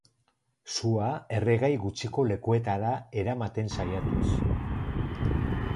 Sua erregai gutxiko lekuetara eramaten saiatuz.